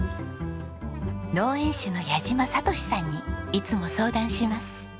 農園主の矢島聡さんにいつも相談します。